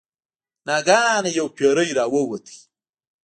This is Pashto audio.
ناګهانه یو پیری راووت.